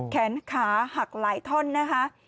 แขนขาหักหลายท่อนนะคะ